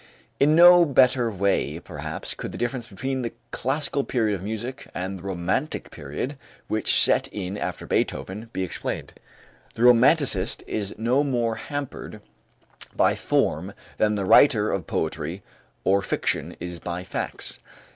In no better way, perhaps, could the difference between the classical period of music and the romantic period which set in after Beethoven be explained. The romanticist is no more hampered by form than the writer of poetry or fiction is by facts.